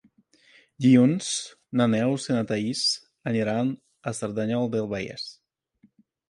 Dilluns na Neus i na Thaís aniran a Cerdanyola del Vallès.